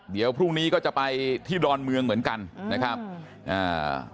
เดี๋ยวพรุ่งนี้ก็จะไปที่ดอนเมืองเหมือนกันนะครับอ่า